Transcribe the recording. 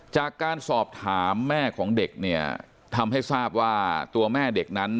จากการสอบถามแม่ของเด็กเนี่ยทำให้ทราบว่าตัวแม่เด็กนั้น